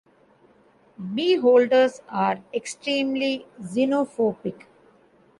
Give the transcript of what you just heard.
Beholders are extremely xenophobic.